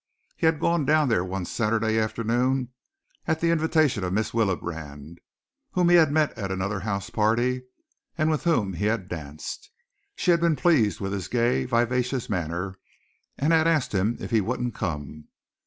He had gone down there one Saturday afternoon at the invitation of Mrs. Willebrand, whom he had met at another house party and with whom he had danced. She had been pleased with his gay, vivacious manner and had asked him if he wouldn't come.